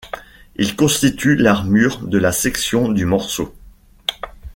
Ils constituent l’armure de la section du morceau.